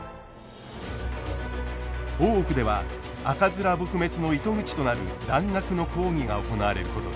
大奥では赤面撲滅の糸口となる蘭学の講義が行われることに。